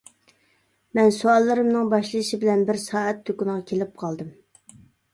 مەن سوئاللىرىمنىڭ باشلىشى بىلەن بىر سائەت دۇكىنىغا كېلىپ قالدىم.